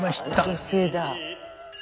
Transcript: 女性だ。